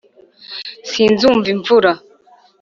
sinzumva imvura;